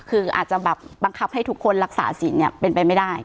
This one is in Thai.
คืออาจจะแบบบังคับให้ทุกคนรักษาสินเนี่ยเป็นไปไม่ได้